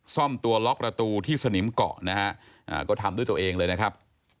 ซ่อมตัวล็อกประตูที่สนิมเกาะนะฮะก็ทำด้วยตัวเองเลยนะครับ